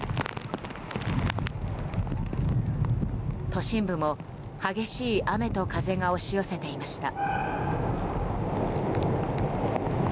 都心部も激しい雨と風が押し寄せていました。